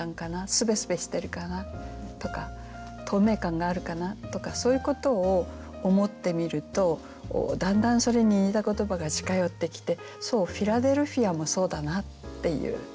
すべすべしてるかな？とか透明感があるかな？とかそういうことを思ってみるとだんだんそれに似た言葉が近寄ってきて「フィラデルフィア」もそうだなっていうことになりますよね。